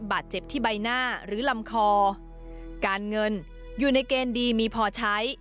บาดเจ็บที่ใบหน้าหรือลำคอการเงินอยู่ในเกณฑ์ดีมีพอใช้